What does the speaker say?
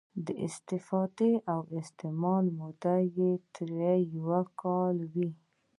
د استفادې او استعمال موده یې تر یو کال وي.